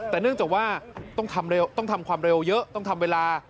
แต่เนื่องจากว่าต้องทำความเร็วเยอะต้องทำเวลา